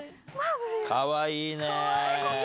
かわいいね。